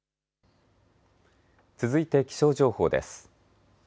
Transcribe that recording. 続いて気象情報です。